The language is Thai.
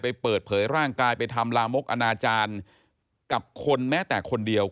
ไปเปิดเผยร่างกายไปทำลามกอนาจารย์กับคนแม้แต่คนเดียว